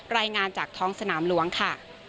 รายงานจากท้องสนามหลวงค่ะ